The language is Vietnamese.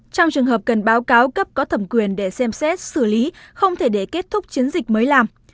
trong trường hợp cần báo cáo cấp có thẩm quyền để xem xét xử lý không thể để kết thúc chiến dịch mới làm